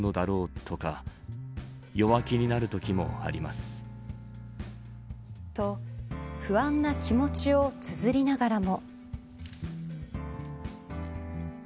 さらに。と不安な気持ちをつづりながらも。